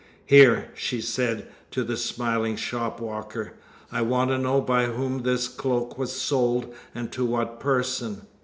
"Here," she said to the smiling shopwalker, "I want to know by whom this cloak was sold, and to what person."